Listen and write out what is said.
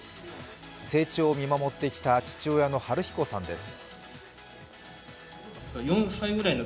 成長を見守ってきた父親の陽彦さんです。